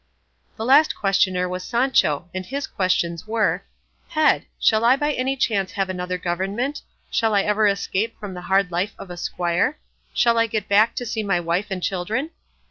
The last questioner was Sancho, and his questions were, "Head, shall I by any chance have another government? Shall I ever escape from the hard life of a squire? Shall I get back to see my wife and children?"